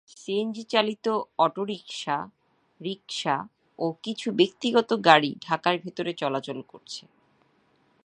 সিএনজিচালিত autorickshaw, rickshaw ও কিছু ব্যক্তিগত গাড়ি ঢাকার ভেতরে চলাচল করছে।